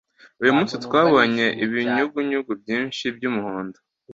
Uyu munsi twabonye ibinyugunyugu byinshi byumuhondo.